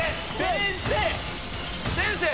先生！